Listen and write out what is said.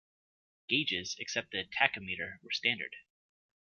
Gauges, except the tachometer, were standard.